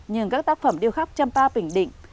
nhưng các tác phẩm điêu khắc trăm pa bình định